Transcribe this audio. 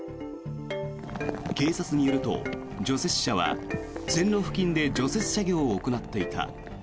警察によると、除雪車は線路付近で除雪作業を行っていた。